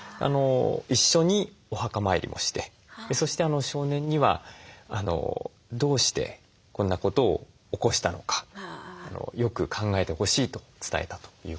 一緒にお墓参りもしてそして少年にはどうしてこんなことを起こしたのかよく考えてほしいと伝えたということです。